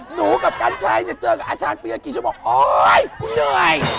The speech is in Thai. หนูกับกันชัยจะเจอกับอาจารย์ปีละกี่ชั่วโมงโอ๊ยคุณเหนื่อย